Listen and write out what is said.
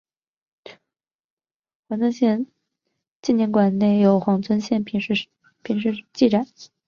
黄遵宪纪念馆内有黄遵宪生平事迹展。